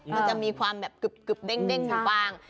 มันจะมีความแบบกึบเด้งอยู่บ้าง